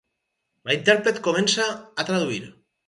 La intèrpret comença a traduir.